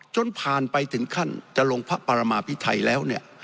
จนผ่านไปถึงขั้นจะลงพระปรมาพิไทยแล้วเนี่ย